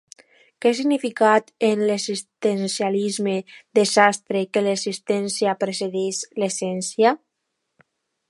Què significa en l'existencialisme de Sartre que «l'existència precedeix l'essència»?